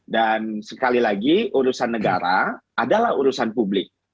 dan sekali lagi urusan negara adalah urusan publik